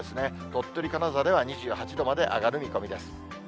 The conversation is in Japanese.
鳥取、金沢では２８度まで上がる見込みです。